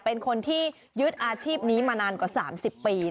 เป็นคนที่ยึดอาชีพนี้มานานกว่า๓๐ปี